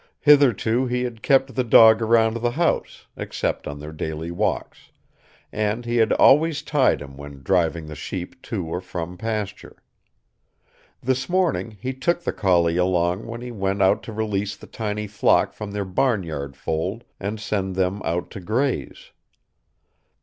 Hitherto he had kept the dog around the house, except on their daily walks; and he had always tied him when driving the sheep to or from pasture. This morning he took the collie along when he went out to release the tiny flock from their barnyard fold and send them out to graze.